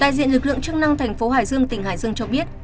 đại diện lực lượng chức năng tp hải dương tỉnh hải dương cho biết